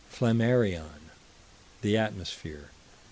Flammarion, The Atmosphere, p.